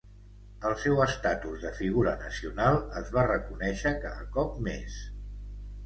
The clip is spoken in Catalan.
El seu estatus de figura nacional es va reconèixer cada cop més.